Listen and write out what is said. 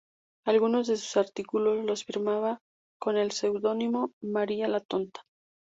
Algunos de sus artículos los firmaba con el seudónimo "María la tonta".